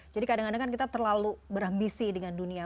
jadi kadang kadang kan kita terlalu berambisi dengan dunia